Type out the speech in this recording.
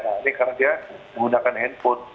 nah ini karena dia menggunakan handphone